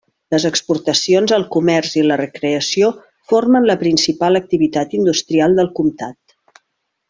Les exportacions, el comerç i la recreació formen la principal activitat industrial del comtat.